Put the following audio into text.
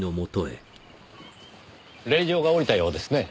令状が下りたようですね。